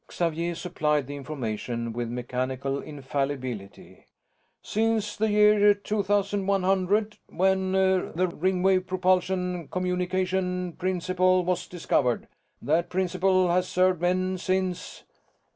Xavier supplied the information with mechanical infallibility. "Since the year 2100 when the Ringwave propulsion communication principle was discovered. That principle has served men since."